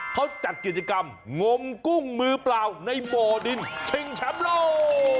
เขาจัดกิจกรรมงมกุ้งมือเปล่าในบ่อดินชิงแชมป์โลก